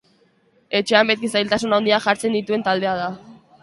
Etxean beti zailtasun handiak jartzen dituen taldea da.